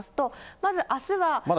まず、あすは。